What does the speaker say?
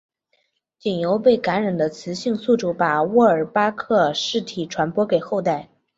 仅由被感染的雌性宿主把沃尔巴克氏体传播给后代。